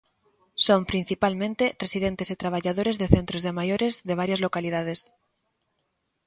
Son principalmente residentes e traballadores de centros de maiores de varias localidades.